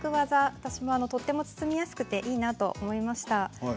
私もとても包みやすくていいなと思いました。